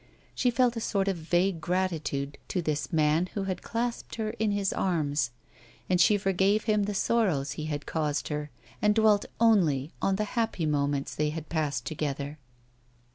She felt a sort of vague gratitude to this man who had clasped her in his arms, and she forgave him the sorrows he had caused her, and dwelt only on the happy moments they had passed together.